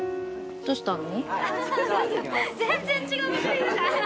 どうしたの？